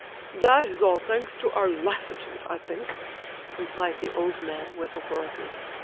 "That is all thanks to our lassitude, I think," replied the old man, with authority.